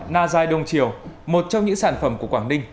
nga giai đông triều một trong những sản phẩm của quảng ninh